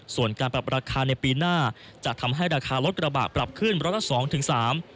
ส่วนการปรับราคาในปีหน้าจะทำให้ราคารถกระบะปรับขึ้นรถละ๒๓